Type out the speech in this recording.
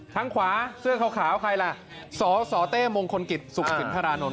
ทางขวาเสื้อขาวใครล่ะสสเต้มงคลกิจสุขสินทรานนท